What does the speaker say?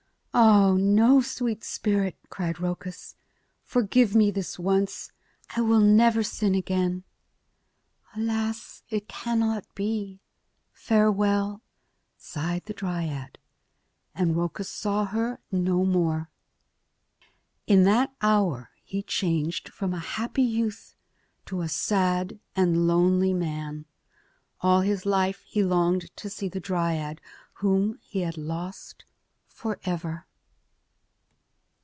"Ah, no! sweet spirit," cried Rhoecus. "Forgive me this once. I will never sin again." "Alas! it cannot be. Farewell," sighed the dryad. And Rhoecus saw her no more. In that hour he changed from a happy youth to a sad and lonely man. All his life he longed to see the dryad whom he had lost for ever.